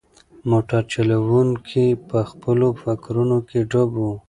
موټر چلونکی په خپلو فکرونو کې ډوب و.